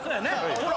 ほら。